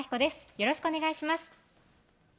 よろしくお願いします